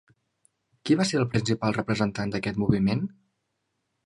Qui va ser el principal representant d'aquest moviment?